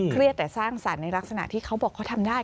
แต่สร้างสรรค์ในลักษณะที่เขาบอกเขาทำได้